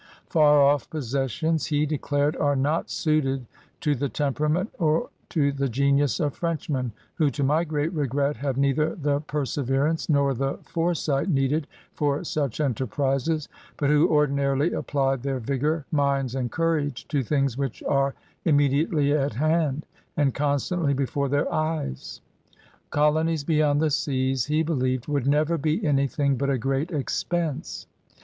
"Far off possessions/' he declared, "are not suited to the temperament or to the genius of Frenchmen, who to my great regret have neither the perseverance nor the foresight needed for such enterprises, but who ordinarily apply their vigor, minds, and courage to things which are immedi ately at hand and constantly before their eyes." Colonies beyond the seas, he believed, "would never be anything but a great expense."